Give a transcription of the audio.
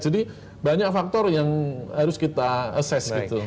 jadi banyak faktor yang harus kita assess gitu